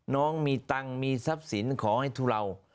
น้องมีตังค์มีทรัพย์สินขอให้ทุเลา